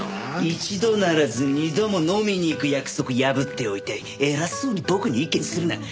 一度ならず二度も飲みに行く約束破っておいて偉そうに僕に意見するな。